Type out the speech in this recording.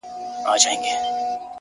ځوان د خپلي خولگۍ دواړي شونډي قلف کړې؛